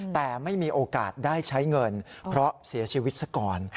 แต่ไม่มีโอกาสได้ใช้เงินเพราะเสียชีวิตซะก่อน